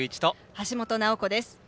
橋本奈穂子です。